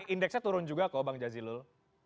indeksnya turun juga kok bang jazilul